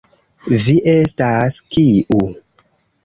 Vi estas, kiu.